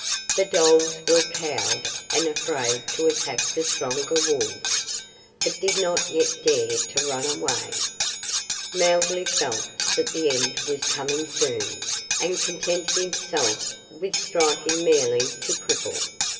The dholes were cowed and afraid to attack the stronger wolves, but did not yet dare to run away. Mowgli felt that the end was coming soon, and contented himself with striking merely to cripple.